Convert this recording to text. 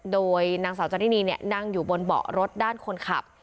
โดยนางสาวจันทินีนั่งอยู่บนเบาะรถด้านคนขับ